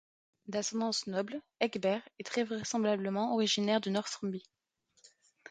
D'ascendance noble, Ecgberht est très vraisemblablement originaire de Northumbrie.